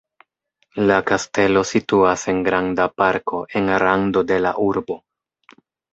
La kastelo situas en granda parko en rando de la urbo.